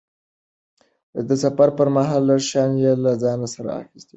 د سفر پرمهال لږ شیان یې له ځانه سره اخیستي وو.